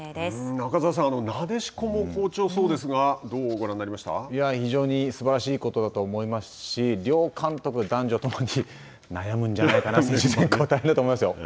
中澤さん、なでしこも好調そうですが非常にすばらしいことだと思いますし両監督、男女ともに悩むんじゃないかなと結構大変だと思いますよ。